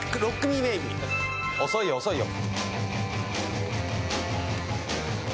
遅いよ遅いよ！